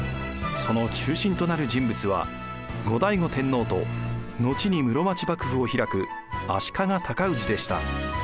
その中心となる人物は後醍醐天皇と後に室町幕府を開く足利尊氏でした。